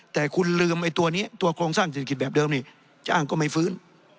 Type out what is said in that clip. แต่คุณลืมไอ้ตัวนี้ตัวโครงสร้างเศรษฐกิจแบบเดิมนี่จ้างก็ไม่ฟื้น